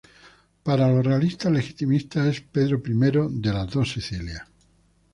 Para los realistas legitimistas es Pedro I de las Dos Sicilias.